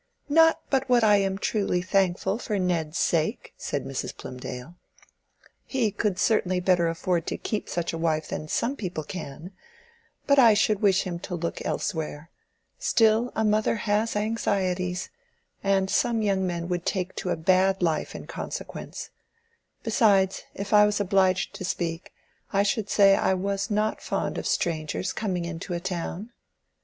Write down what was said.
"Not but what I am truly thankful for Ned's sake," said Mrs. Plymdale. "He could certainly better afford to keep such a wife than some people can; but I should wish him to look elsewhere. Still a mother has anxieties, and some young men would take to a bad life in consequence. Besides, if I was obliged to speak, I should say I was not fond of strangers coming into a town."